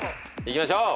いきましょう。